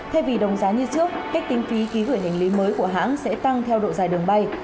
thay vì đồng giá như trước cách tính phí ký gửi hành lý mới của hãng sẽ tăng theo độ dài đường bay